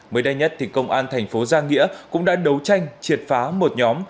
mới đây nhất công an thành phố giang nghĩa cũng đã đấu tranh triệt phá một nhóm